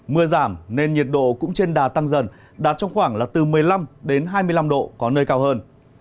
mưa giảm nên nhiệt độ cũng trên đà tăng dần đạt trong khoảng là từ một mươi năm đến hai mươi năm độ có nơi cao hơn